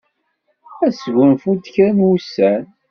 Ad sgunfunt kra n wussan.